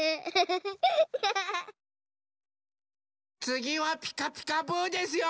つぎは「ピカピカブ！」ですよ。